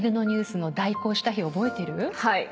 はい。